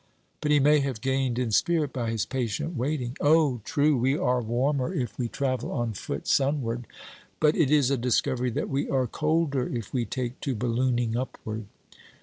'But he may have gained in spirit by his patient waiting.' 'Oh! true. We are warmer if we travel on foot sunward, but it is a discovery that we are colder if we take to ballooning upward.